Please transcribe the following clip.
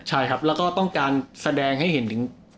ใช่ครับแล้วก็ต้องการแสดงให้เห็นถึง